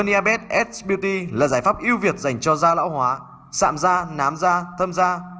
đặc biệt dành cho da lão hóa sạm da nám da thâm da